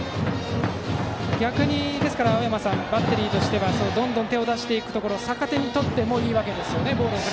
逆に、青山さんバッテリーとしてはどんどん手を出してくるところを逆手にとってもいいわけですね。